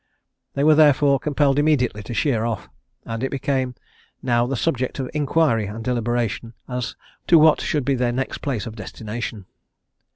They were, therefore, compelled immediately to sheer off; and it became now the subject of inquiry and deliberation as to what should be their next place of destination.